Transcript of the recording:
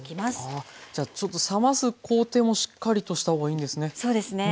ああじゃあちょっと冷ます工程もしっかりとした方がいいんですね。